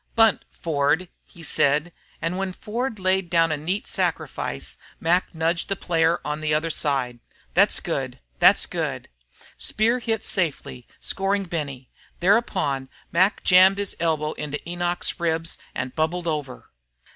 "Bunt, Ford," he said, and when Ford laid down a neat sacrifice Mac nudged the player on the other side. "Thet's good; thet's good!" Speer hit safely, scoring Benny. Thereupon Mac jammed his elbow into Enoch's ribs and bubbled over.